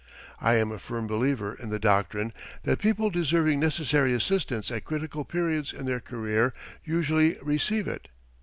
I am a firm believer in the doctrine that people deserving necessary assistance at critical periods in their career usually receive it.